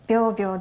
で